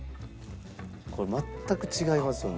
これ全く違いますよね。